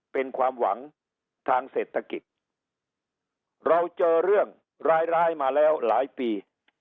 เป็นความหวังทางเศรษฐกิจเราเจอเรื่องร้ายร้ายมาแล้วหลายปี